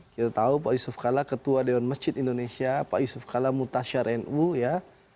kita tahu pak yusuf kalla ketua dewan masjid indonesia pak yusuf kalla mutasyar nu ya